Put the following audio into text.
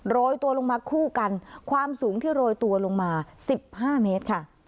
โรยตัวลงมาคู่กันความสูงที่โรยตัวลงมา๑๕เมตรค่ะ